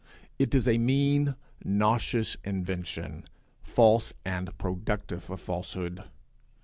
It is a mean, nauseous invention, false, and productive of falsehood.